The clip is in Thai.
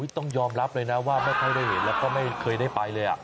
ต้องยอมรับเลยนะว่าไม่ค่อยได้เห็นแล้วก็ไม่เคยได้ไปเลย